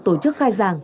tổ chức khai giảng